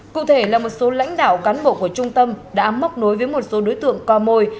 cụ thể là một số lãnh đạo cán bộ của trung tâm đã móc nối với một số đối tượng co mồi